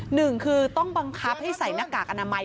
หนึ่งคือต้องบังคับให้ใส่หน้ากากอนามัย